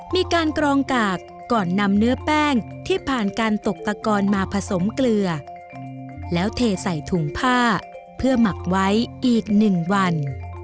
มีการกรองกากก่อนนำเนื้อแป้งที่ผ่านการตกตะกอนมาผสมเกลือแล้วเทใส่ถุงผ้าเพื่อหมักไว้อีก๑วัน